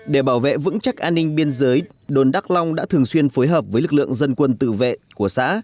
để bảo vệ vững chắc an ninh biên giới đồn đắk long đã thường xuyên phối hợp với lực lượng dân quân tự vệ của xã